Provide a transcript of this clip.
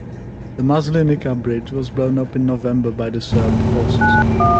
The Maslenica bridge was blown up in November by the Serb forces.